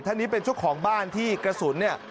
ท่านนี้เป็นเจ้าของบ้านที่กระสุนเนี่ย